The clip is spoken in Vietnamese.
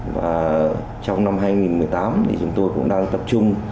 và trong năm hai nghìn một mươi tám thì chúng tôi cũng đang tập trung